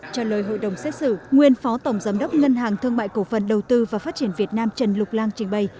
trả lời hội đồng xét xử nguyên phó tổng giám đốc ngân hàng thương mại cổ phần đầu tư và phát triển việt nam trần lục lan trình bày